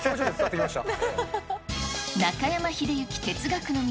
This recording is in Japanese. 中山秀征、哲学の道。